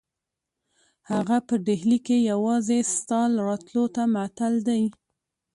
هغه په ډهلي کې یوازې ستا راتلو ته معطل دی.